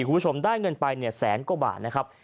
คุณผู้ชมได้เงินไปเนี่ยแสนกว่าบาทนะครับ